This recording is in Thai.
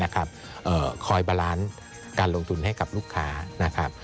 คอยบาลานซ์การลงทุนให้กับลูกค้านะครับ